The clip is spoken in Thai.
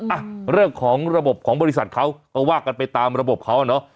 อ่ะเรื่องของระบบของบริษัทเขาก็ว่ากันไปตามระบบเขาอ่ะเนอะ